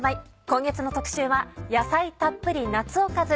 今月の特集は「野菜たっぷり夏おかず」。